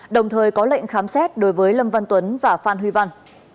đồng thời có lệnh khám xét đối với lâm văn tuấn và phan huy văn